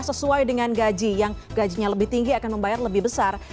sesuai dengan gaji yang gajinya lebih tinggi akan membayar lebih besar